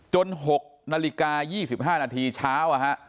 ๖นาฬิกา๒๕นาทีเช้า